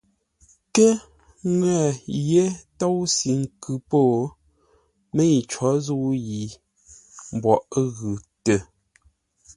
Kə́ ŋə̂ yé tóusʉ nkʉ po, mə́i có zə̂u yi mboʼ ə́ ghʉ tə.